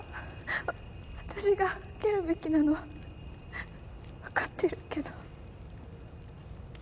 私が受けるべきなのはわかってるけど。